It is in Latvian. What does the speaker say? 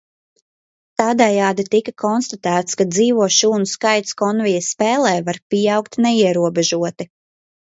Tādējādi tika konstatēts, ka dzīvo šūnu skaits Konveja spēlē var pieaugt neierobežoti.